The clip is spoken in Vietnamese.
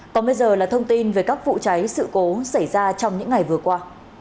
còn bây giờ là thông tin về các vụ cháy sự cố xảy ra trong những ngày vừa qua